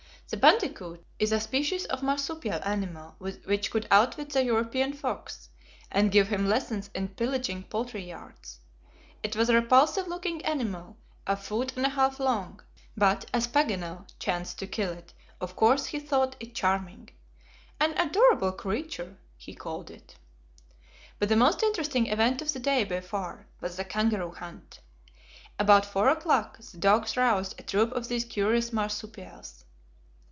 The bandicoot is a species of marsupial animal which could outwit the European fox, and give him lessons in pillaging poultry yards. It was a repulsive looking animal, a foot and a half long, but, as Paganel chanced to kill it, of course he thought it charming. "An adorable creature," he called it. But the most interesting event of the day, by far, was the kangaroo hunt. About four o'clock, the dogs roused a troop of these curious marsupials.